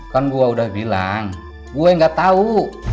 kan gue udah bilang gue gak tau